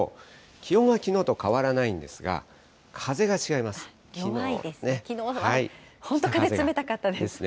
気温はきのうと変わらないんです弱いですね。